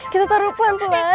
kita taruh pelan pelan